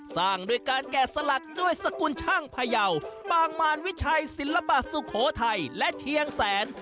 สร้างด้วยการแกะสลักด้วยสกุลช่างพยาวปางมารวิชัยศิลปะสุโขทัยและเชียงแสน